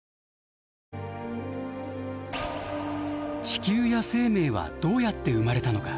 地球や生命はどうやって生まれたのか？